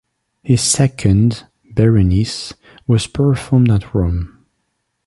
His second, "Berenice", was performed at Rome.